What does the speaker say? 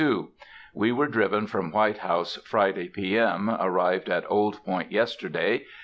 _—We were driven from White House Friday P. M.; arrived at Old Point yesterday.